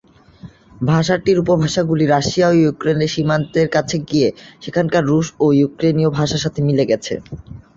ভাষাটির উপভাষাগুলি রাশিয়া ও ইউক্রেনের সীমান্তের কাছে গিয়ে সেখানকার রুশ ও ইউক্রেনীয় ভাষার সাথে মিলে গেছে।